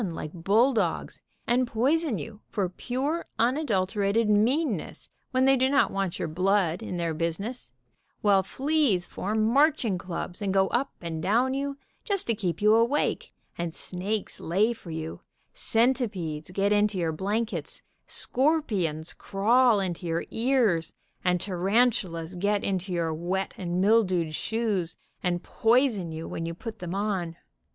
like bulldogs, and poison you for pure, unadulter WHY THEY DID NOT ENLIST 133 ated meanness when they do not want your blood in their business, while fleas form marching clubs and go up and down you just to keep you awake, and snakes lay for 3'ou, centipedes get into your blankets, scorpions crawl into your ears, and tarantulas get into your wet and mildewed shoes, and poison you when you put them on.